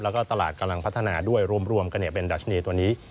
แล้วก็ตลาดกำลังพัฒนาด้วยรวมกันเป็นดัชนีตัวนี้